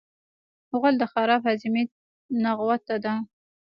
غول د خراب هاضمې نغوته ده.